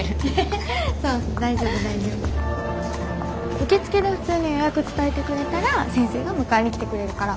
受付で普通に予約伝えてくれたら先生が迎えに来てくれるから。